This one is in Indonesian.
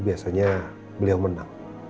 biasanya beliau menang